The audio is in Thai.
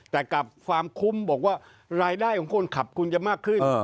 แต่กับความคุ้มบอกว่ารายได้ของคนขับคุณจะมากขึ้น